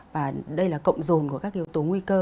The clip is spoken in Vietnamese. và đây là cộng rồn của các cái yếu tố nguy cơ